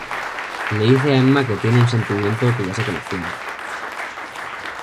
Le dice a Emma que tiene un sentimiento que ya se conocían.